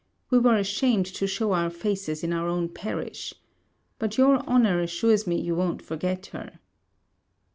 We were ashamed to show our faces in our own parish. But your honour assures me you won't forget her.'